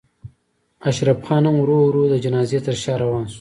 اشرف خان هم ورو ورو د جنازې تر شا روان شو.